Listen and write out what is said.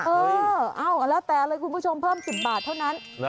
เออเอ้าแล้วแต่เลยคุณผู้ชมเพิ่ม๑๐บาทเท่านั้น